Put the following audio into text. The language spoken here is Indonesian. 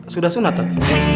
sudah sunnah tat